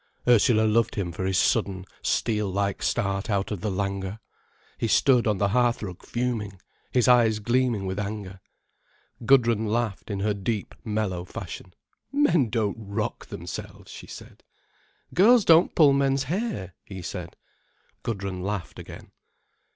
Ursula loved him for his sudden, steel like start out of the languor. He stood on the hearthrug fuming, his eyes gleaming with anger. Gudrun laughed in her deep, mellow fashion. "Men don't rock themselves," she said. "Girls don't pull men's hair," he said. Gudrun laughed again.